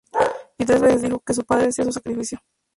Y tres veces dijo: ""Que su padre sea su sacrificio"".